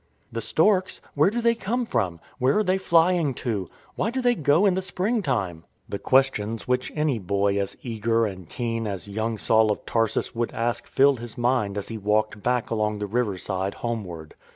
" The storks ! Where do they come from ? Where are they flying to? Why do they go in the spring time?" The questions which any boy as eager and keen as young Saul of Tarsus would ask filled his mind as he walked back along the riverside homeward.